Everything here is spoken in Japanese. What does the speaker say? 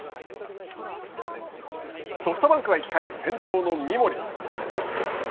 ソフトバンクは１回、先頭の三森。